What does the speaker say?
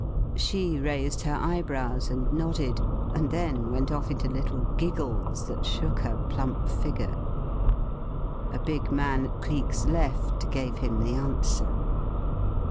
She raised her eyebrows and nodded, and then went off into little giggles that shook her plump figure. A big man at Cleek's left gave him the answer.